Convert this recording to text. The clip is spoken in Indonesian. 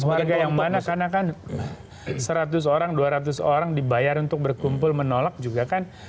warga yang mana karena kan seratus orang dua ratus orang dibayar untuk berkumpul menolak juga kan